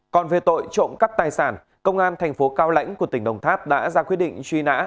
còn về tội trộm cắp tài sản công an thành phố cao lãnh của tỉnh đồng tháp đã ra quyết định truy nã